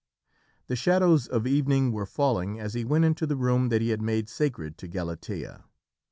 The shadows of evening were falling as he went into the room that he had made sacred to Galatea.